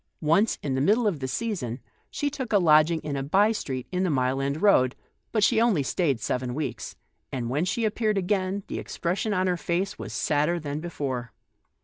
Once, in the middle of the season, she took a lodging in a by street in the Mile End Road, but she only stayed seven weeks, and when she appeared again, the expression on her face wa* T sadder than before.